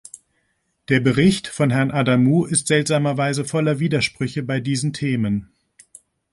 Der Bericht von Herrn Adamou ist seltsamerweise voller Widersprüche bei diesen Themen.